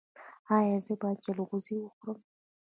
ایا زه باید جلغوزي وخورم؟